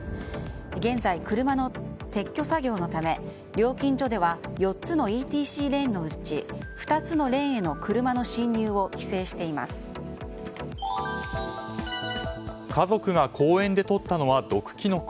現在車の撤去作業のため料金所では４つのＥＴＣレーンのうち２つのレーンへの車の進入を家族が公園でとったのは毒キノコ。